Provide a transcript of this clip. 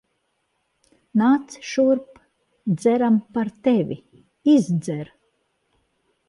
Nāc šurp. Dzeram par tevi. Izdzer.